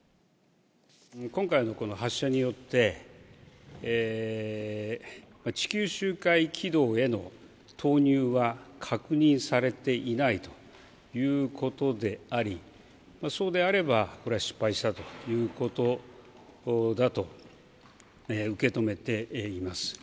今回のこの発射によって、地球周回軌道への投入は確認されていないということであり、そうであれば、これは失敗したということだと受け止めています。